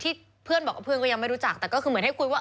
เพื่อนบอกว่าเพื่อนก็ยังไม่รู้จักแต่ก็คือเหมือนให้คุยว่า